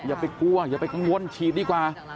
อย่าไปกลัวอย่าไปกังวลฉีดดีกว่า